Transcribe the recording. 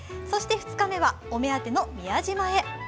そして２日目はお目当ての宮島へ。